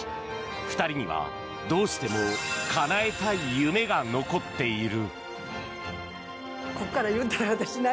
２人にはどうしてもかなえたい夢が残っている。